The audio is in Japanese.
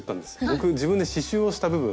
僕自分で刺しゅうをした部分。